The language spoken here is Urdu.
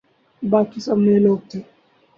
باقی سب نئے لوگ تھے۔